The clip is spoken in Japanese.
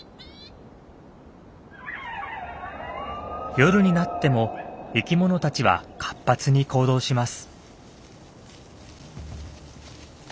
夜になっても生きものたちは活発に行動します。